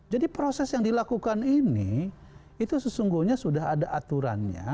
jadi proses yang dilakukan ini itu sesungguhnya sudah ada aturannya